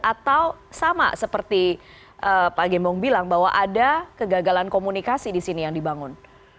atau sama seperti pak gembong bilang bahwa ada kegagalan komunikasi di sini yang dibangun